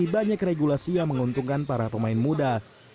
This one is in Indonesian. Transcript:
banyak regulasi yang menguntungkan para pemain muda